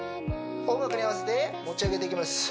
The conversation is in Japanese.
音楽に合わせて持ち上げていきます